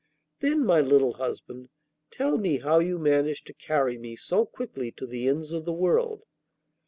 'Then, my little husband, tell me how you managed to carry me so quickly to the ends of the world.